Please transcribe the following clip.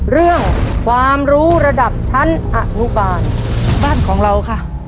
เรื่องความรู้ระดับชั้นอนุบาลบ้านของเราค่ะ